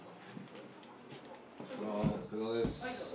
お疲れさまです。